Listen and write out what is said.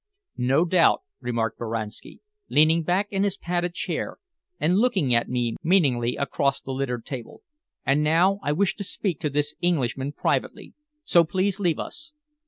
"No doubt," remarked Boranski, leaning back in his padded chair and looking at me meaningly across the littered table. "And now I wish to speak to this Englishman privately, so please leave us.